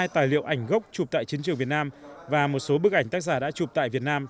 hai tài liệu ảnh gốc chụp tại chiến trường việt nam và một số bức ảnh tác giả đã chụp tại việt nam